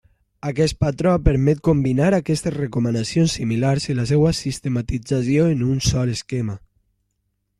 Aquest patró permet combinar aquestes recomanacions similars i la seua sistematització en un sol esquema.